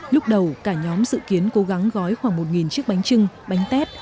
lúc đầu cả nhóm dự kiến cố gắng gói khoảng một chiếc bánh trưng bánh tét